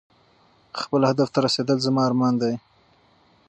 خپل هدف ته رسېدل زما ارمان دی.